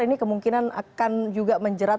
ini kemungkinan akan juga menjerat